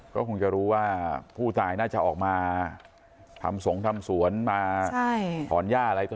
ก็คงจะรู้ว่าผู้ตายน่าจะออกมาทำสงทำสวนมาถอนหญ้าอะไรต่อ